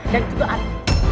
dan juga ada